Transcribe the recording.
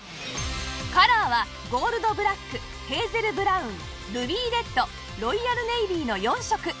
カラーはゴールドブラックヘーゼルブラウンルビーレッドロイヤルネイビーの４色